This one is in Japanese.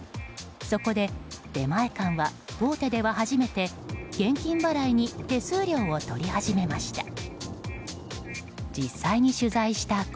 そこで出前館は大手では初めて現金払いに手数料を取り始めました。